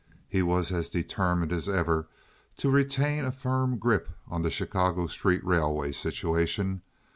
He was as determined as ever to retain a firm grip on the Chicago street railway situation.